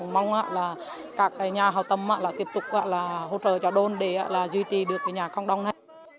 mong là các nhà hào tâm là tiếp tục là hỗ trợ cho đôn để là duy trì được cái nhà cộng đồng này